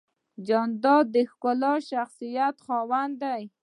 جانداد د ښکلي شخصیت خاوند دی.